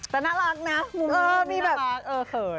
แต่น่ารักนะมุมขนาดเขิน